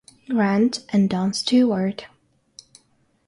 Grant and Don Stewart.